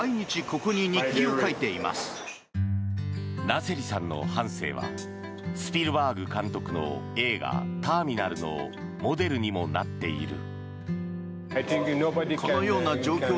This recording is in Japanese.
ナセリさんの半生はスピルバーグ監督の映画「ターミナル」のモデルにもなっている。